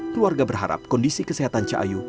keluarga berharap kondisi kesehatan cahayu